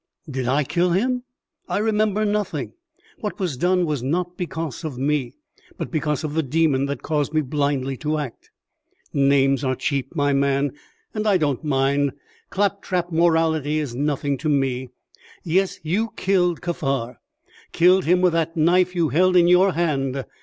"Did I kill him? I remember nothing. What was done was not because of me, but because of the demon that caused me blindly to act." "Names are cheap, my man, and I don't mind. Claptrap morality is nothing to me. Yes, you killed Kaffar killed him with that knife you held in your hand.